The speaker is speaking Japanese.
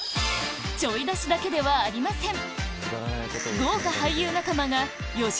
ちょい出しだけではありません！